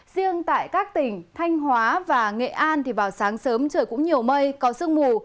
riêng tại các tỉnh thanh hóa và nghệ an thì vào sáng sớm trời cũng nhiều mây có sương mù